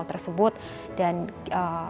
untuk melakukan hal tersebut